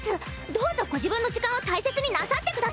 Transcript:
どうぞご自分の時間を大切になさってください！